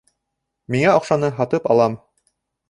Миңә оҡшаны, һатып алам